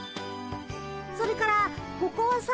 それからここはさ。